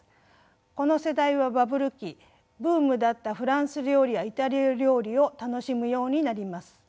この世代はバブル期ブームだったフランス料理やイタリア料理を楽しむようになります。